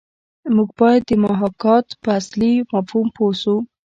موږ باید د محاکات په اصلي مفهوم پوه شو